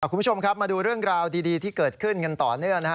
คุณผู้ชมครับมาดูเรื่องราวดีที่เกิดขึ้นกันต่อเนื่องนะฮะ